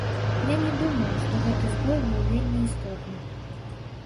Я не думаю, што гэты збой быў вельмі істотны.